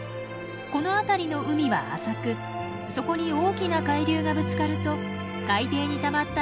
この辺りの海は浅くそこに大きな海流がぶつかると海底にたまった栄養分を海面へと押し上げます。